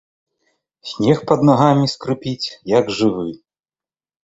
Снег пад нагамі скрыпіць, як жывы.